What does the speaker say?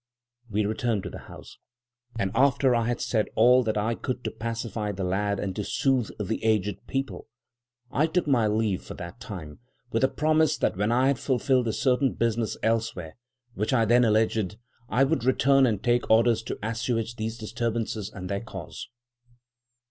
We returned to the house, and after I had said all that I could to pacify the lad, and to soothe the aged people, I took my leave for that time, with a promise that when I had fulfilled certain business elsewhere, which I then alleged, I would return and take orders to assuage these disturbances and their cause.